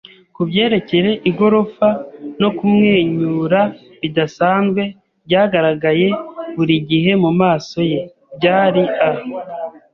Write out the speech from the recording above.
kubyerekeye igorofa no kumwenyura bidasanzwe byagaragaye buri gihe mumaso ye. Byari a